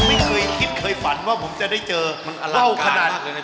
ไม่เคยคิดเคยฝันว่าผมจะได้เจอว่าวขนาด